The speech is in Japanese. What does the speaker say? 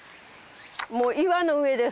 もう岩の上です。